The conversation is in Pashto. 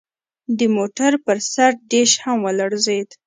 د موټر پر سر ډیش هم ولړزید